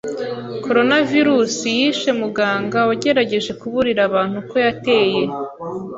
Coronavirus yishe muganga wagerageje kuburira abantu ko yateye